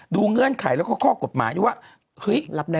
ดูเงื่อนไขแล้วก็ข้อกฎหมายว่า